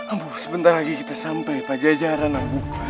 abu sebentar lagi kita sampai pajajaran ambu